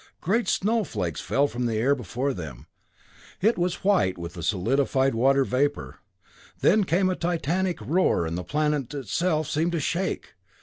Great snowflakes fell from the air before them; it was white with the solidified water vapor. Then came a titanic roar and the planet itself seemed to shake!